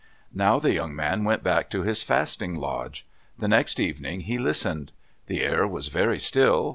Now the young man went back to his fasting lodge. The next evening he listened. The air was very still.